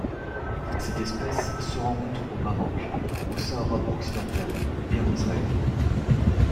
Cette espèce se rencontre au Maroc, au Sahara occidental et en Israël.